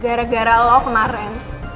gara gara lo kemarin